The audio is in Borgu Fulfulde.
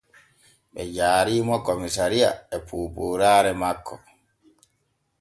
Ɓe jaari mo komisariya e poopooraare makko.